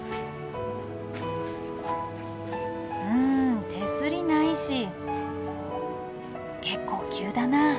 うん手すりないし結構急だな。